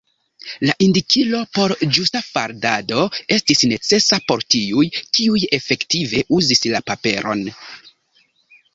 La indikilo por ĝusta faldado estis necesa por tiuj, kiuj efektive uzis la paperon.